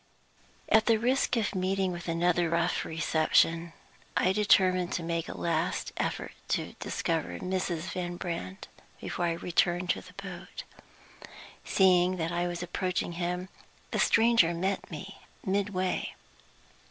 At the risk of meeting with another rough reception, I determined to make a last effort to discover Mrs. Van Brandt before I returned to the boat. Seeing that I was approaching him, the stranger met me midway.